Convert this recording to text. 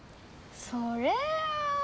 それは。